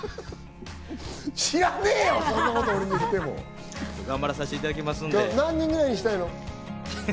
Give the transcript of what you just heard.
知らねえよ、そんなこと俺に頑張らさせていただきますん何人ぐらいにしたいの？